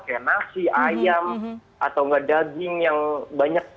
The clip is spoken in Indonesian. kayak nasi ayam atau enggak daging yang banyak